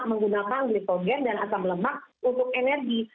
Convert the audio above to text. menggunakan nikogen dan asam lemak untuk energi